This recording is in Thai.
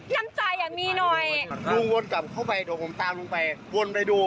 น้ำใจอ่ะมีหน่อยลุงวนกลับเข้าไปเดี๋ยวผมตามลุงไปวนไปดู